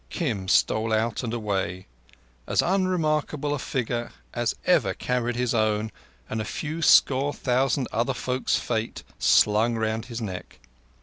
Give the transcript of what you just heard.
Kim stole out and away, as unremarkable a figure as ever carried his own and a few score thousand other folk's fate slung round his neck.